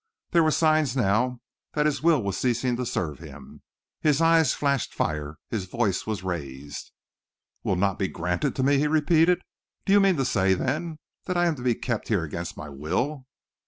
There were signs now that his will was ceasing to serve him. His eyes flashed fire, his voice was raised. "Will not be granted to me?" he repeated. "Do you mean to say, then, that I am to be kept here against my will?"